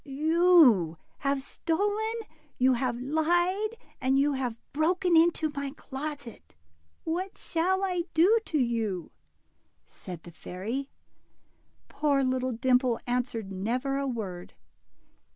You have stolen, you have lied, and you have broken into my closet ; Avhat shall I do to you ?" said the fairy. Poor little Dimple answered never a word.